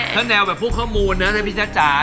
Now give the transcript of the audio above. ถ้าแนวแบบพวกข้อมูลนะถ้าพี่จ๊ะจ๋า